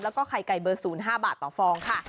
แล้วก็ไข่ไก่เบอร์๐๕บาทต่อฟองค่ะ